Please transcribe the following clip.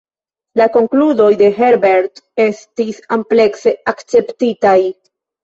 La konkludoj de Herbert estis amplekse akceptitaj.